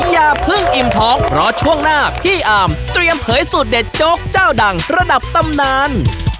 อย่าเพิ่งอิ่มท้องเพราะช่วงหน้าพี่อาร์มเตรียมเผยสูตรเด็ดโจ๊กเจ้าดังระดับตำนาน